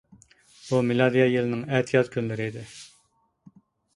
بۇ مىلادىيە - يىلنىڭ ئەتىياز كۈنلىرى ئىدى.